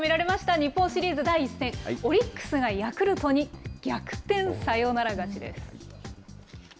日本シリーズ第１戦、オリックスがヤクルトに逆転サヨナラ勝ちです。